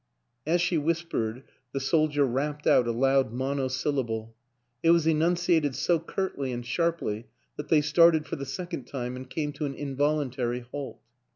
As she whispered the soldier rapped out a loud monosyllable; it was enunciated so curtly and sharply that they started for the second time and came to an involuntary halt.